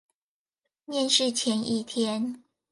面試前一天